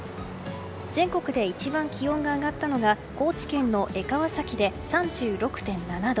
全国で一番気温が上がったのが高知県の江川崎で３６．７度。